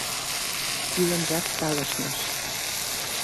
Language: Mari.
Шпионжат талышныш.